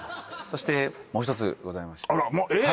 そしてもう一つございましてあらえっ！